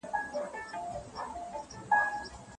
پر کور د انارګل به د زاغانو غوغا نه وي